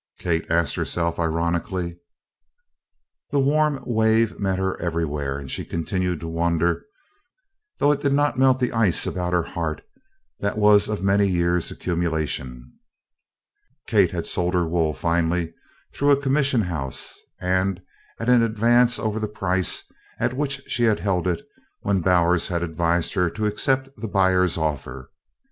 Kate asked herself ironically. The warm wave met her everywhere and she continued to wonder, though it did not melt the ice about her heart that was of many years' accumulation. Kate had sold her wool, finally, through a commission house, and at an advance over the price at which she had held it when Bowers had advised her to accept the buyer's offer.